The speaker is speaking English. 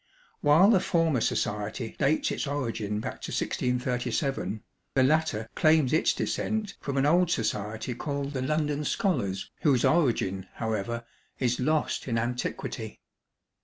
While the former society dates its origin back to 1637, the latter claims its descent from an old society called the 'London Scholars,' whose origin, however, is lost in antiquity.